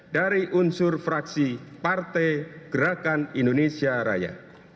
dari unsur fraksi partai gerakan indonesia raya